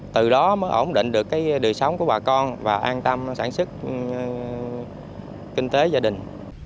từ đó mới ổn định được cái đời sống của bà con và an tâm sản xuất kinh tế gia đình